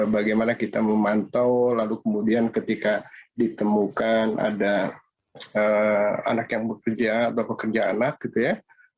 bagaimana kita memantau lalu kemudian ketika ditemukan ada anak yang bekerja atau pekerja anak gitu ya